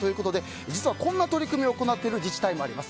実はこんな取り組みを行っている自治体もあります。